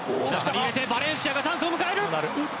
バレンシアがチャンスを迎える！